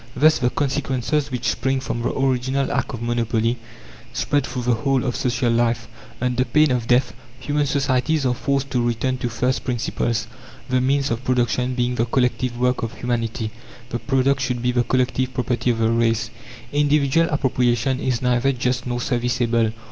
Thus the consequences which spring from the original act of monopoly spread through the whole of social life. Under pain of death, human societies are forced to return to first principles: the means of production being the collective work of humanity, the product should be the collective property of the race. Individual appropriation is neither just nor serviceable.